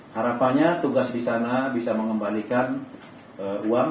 harapannya tugas di sana bisa mengembalikan uang